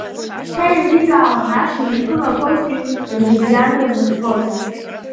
Шьҭа еиликаауан ашьыжь иԥылақәозгьы ргәызианра зыхҟьоз.